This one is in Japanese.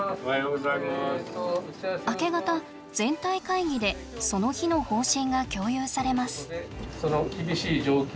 明け方全体会議でその日の方針が共有されます。